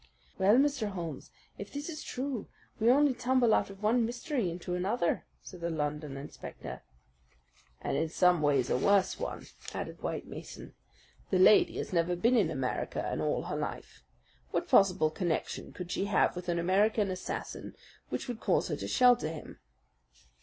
"Well, Mr. Holmes, if this is true, we only tumble out of one mystery into another," said the London inspector. "And in some ways a worse one," added White Mason. "The lady has never been in America in all her life. What possible connection could she have with an American assassin which would cause her to shelter him?"